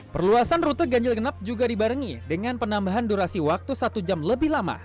perluasan rute ganjil genap juga dibarengi dengan penambahan durasi waktu satu jam lebih lama